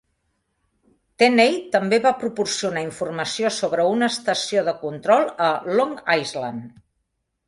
Tenney també va proporcionar informació sobre una estació de control a Long Island.